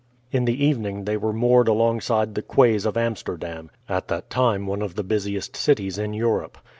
In the evening they were moored alongside the quays of Amsterdam, at that time one of the busiest cities in Europe.